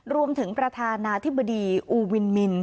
ประธานาธิบดีอูวินมิน